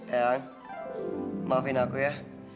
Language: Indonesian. eang maafin aku ya